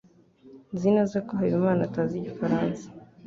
Nzi neza ko Habimana atazi Igifaransa.